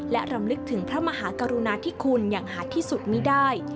และรำลึกถึงพระมหากรุณาธิคุณอย่างหาดที่สุดไม่ได้